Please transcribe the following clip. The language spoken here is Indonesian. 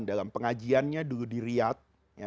dalam pengajiannya dulu di riyad